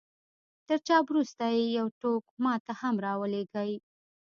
تر چاپ وروسته يې يو ټوک ما ته هم را ولېږئ.